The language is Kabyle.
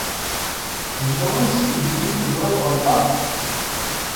Yella wass ideg i yi-teẓriḍ ɣelṭeɣ?